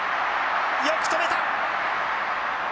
よく止めた！